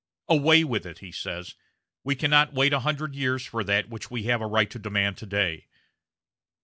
"Away with it," he says; "we cannot wait a hundred years for that which we have a right to demand today."